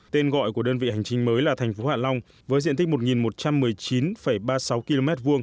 tên gọi của đơn vị hành chính mới là thành phố hạ long với diện tích một một trăm một mươi chín ba mươi sáu km hai